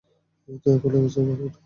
আগুন লেগেছে আমার মনে?